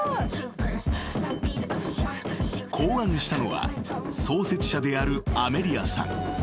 ［考案したのは創設者であるアメリアさん］